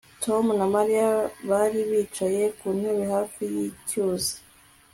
Tom na Mariya bari bicaye ku ntebe hafi yicyuzi